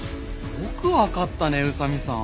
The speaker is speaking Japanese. よくわかったね宇佐見さん。